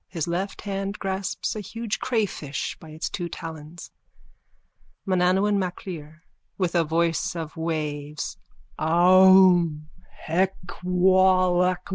His left hand grasps a huge crayfish by its two talons.)_ MANANAUN MACLIR: (With a voice of waves.) Aum! Hek! Wal!